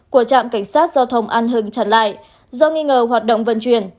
của trạm cảnh sát giao thông an hưng trả lại do nghi ngờ hoạt động vận chuyển